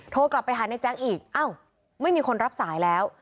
โทรกลับไปหาในแจ๊คอีกอ้าวไม่มีคนรับสายแล้ว